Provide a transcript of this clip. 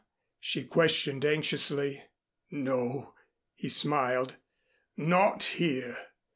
she questioned anxiously. "No," he smiled. "Not here.